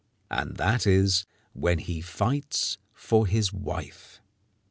And that is when he fights for his wife.